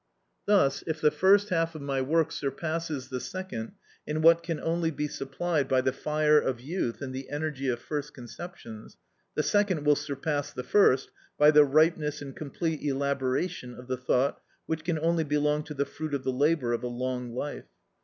Thus, if the first half of my work surpasses the second in what can only be supplied by the fire of youth and the energy of first conceptions, the second will surpass the first by the ripeness and complete elaboration of the thought which can only belong to the fruit of the labour of a long life.